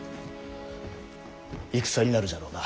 戦になるじゃろうな。